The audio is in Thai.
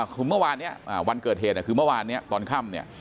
คือเมื่อวานนี้วันเกิดเหตุคือเมื่อวานนี้ตอนค่ำเนี่ย